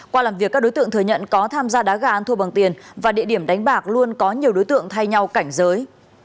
qua làm việc các đối tượng thừa nhận có tham gia đá gà ăn thua bằng tiền và địa điểm đánh bạc luôn có nhiều đối tượng thay nhau cảnh giới